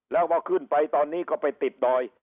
แล้วพอขึ้นไปตอนนี้ก็ไปติดดอย